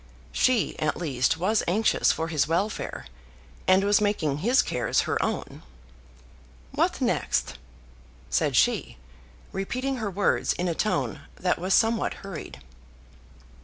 She at least was anxious for his welfare, and was making his cares her own. "What next?" said she, repeating her words in a tone that was somewhat hurried.